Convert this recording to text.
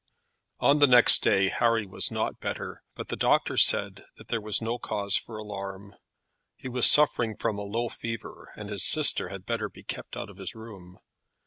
On the next day Harry was not better, but the doctor still said that there was no cause for alarm. He was suffering from a low fever, and his sister had better be kept out of his room.